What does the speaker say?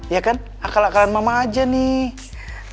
ya kan akal akal mama aja nih